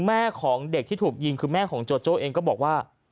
แม่ของเด็กที่ถูกยิงคือแม่ของโจโจ้เองก็บอกว่า